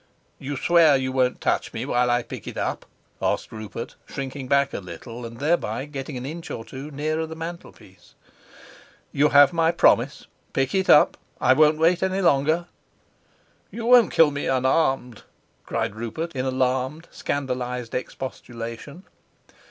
"You swear you won't touch me while I pick it up?" asked Rupert, shrinking back a little, and thereby getting an inch or two nearer the mantelpiece. "You have my promise: pick it up. I won't wait any longer." "You won't kill me unarmed?" cried Rupert, in alarmed scandalized expostulation.